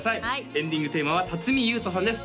エンディングテーマは辰巳ゆうとさんです